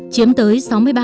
chiếm tới sáu mươi ba